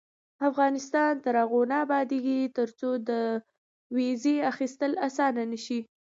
افغانستان تر هغو نه ابادیږي، ترڅو د ویزې اخیستل اسانه نشي.